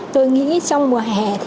tôi nghĩ trong mùa hè